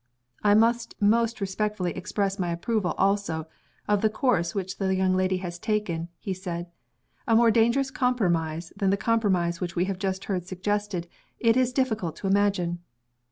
"I must most respectfully express my approval also of the course which the young lady has taken," he said. "A more dangerous compromise than the compromise which we have just heard suggested it is difficult to imagine.